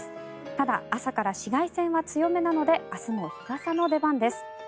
ただ、朝から紫外線は強めなので明日も日傘の出番です。